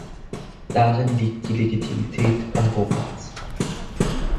Darin liegt die Legitimität Europas.